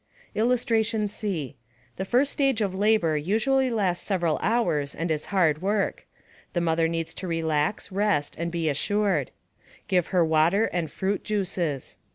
] [Illustration: C. The first stage of labor usually lasts several hours and is hard work. The mother needs to relax, rest, and be reassured. Give her water and fruit juices.